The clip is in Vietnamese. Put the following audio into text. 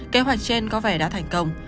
kế hoạch trên có vẻ đã thành công